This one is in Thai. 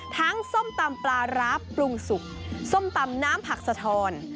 ส้มตำปลาร้าปรุงสุกส้มตำน้ำผักสะทอน